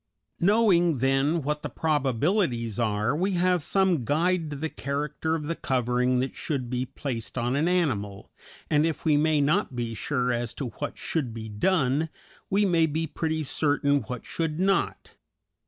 Knowing, then, what the probabilities are, we have some guide to the character of the covering that should be placed on an animal, and if we may not be sure as to what should be done, we may be pretty certain what should not.